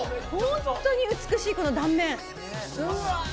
本当に美しいこの断面。